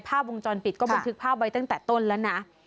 ผ้าวงจรปิดเขาบังชึกผ้าไว้ตั้งแต่ต้นแล้วนะ